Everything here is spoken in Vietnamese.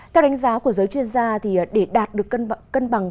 theo đánh giá của giới chuyên gia để đạt được cân bằng